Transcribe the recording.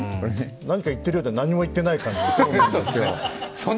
何か言っているようで、何も言っていないような。